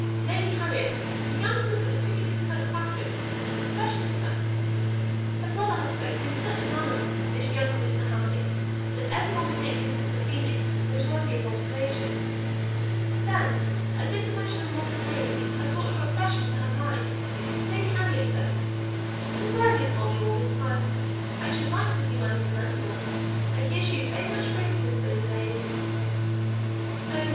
Lady Harriet began to look at the pretty Miss Kirkpatrick with fresh interest; her brother had spoken in such a manner of this young Mr. Hamley that every one connected with the phoenix was worthy of observation. Then, as if the mention of Molly's name had brought her afresh into her mind, Lady Harriet said, "And where is Molly all this time? I should like to see my little mentor. I hear she is very much grown since those days." "Oh!